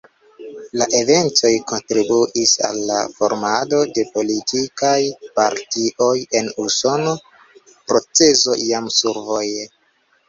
La eventoj kontribuis al la formado de politikaj partioj en Usono, procezo jam survoje.